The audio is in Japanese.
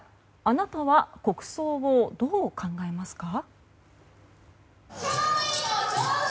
あなたは国葬をどう考えますか？